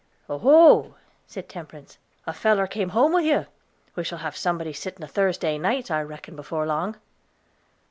"Oh ho," said Temperance, "a feller came home with you. We shall have somebody sitting up a Thursday nights, I reckon, before long."